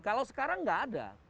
kalau sekarang enggak ada